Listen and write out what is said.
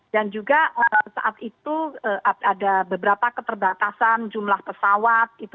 dan juga saat itu ada beberapa keterbatasan jumlah pesawat